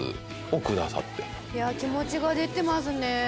いや気持ちが出てますね。